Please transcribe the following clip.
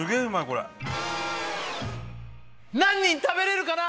これ何人食べられるかな？